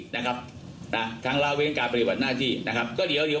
นะครับน่ะทางลาเว้นการบริบัติหน้าที่นะครับก็เดี๋ยว